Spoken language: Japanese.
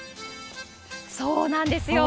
そうなんですよ。